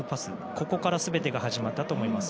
ここから全てが始まったと思います。